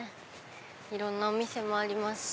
いろんなお店もありますし。